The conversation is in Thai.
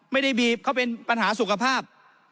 ไม่ได้บีบเขาเป็นปัญหาสุขภาพ